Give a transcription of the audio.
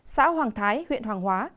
xã hoàng thái huyện hoàng hóa